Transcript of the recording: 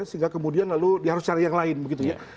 sehingga kemudian lalu dia harus cari yang lain begitu ya